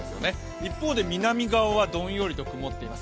一方で南ほどどんより曇っています。